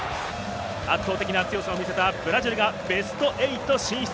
圧倒的な強さを見せたブラジルがベスト８進出。